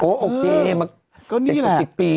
โอเคมันเด็กกว่า๑๐ปี